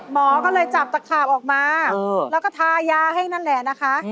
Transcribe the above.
หมอก็เลยจับตะขาบออกมาแล้วก็ทายาให้นั่นแหละนะคะ